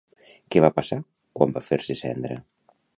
Què va passar quan va fer-se cendra?